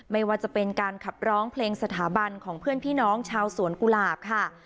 ไม่ว่าจะเป็นการขับร้องเพลงสถาบันของเพื่อนพี่น้องชาวสวนกุหลาบค่ะ